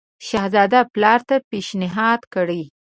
شهزاده پلار ته پېشنهاد کړی.